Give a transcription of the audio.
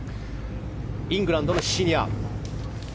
イングランドのシニア。